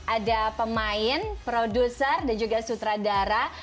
ada pemain produser dan juga sutradara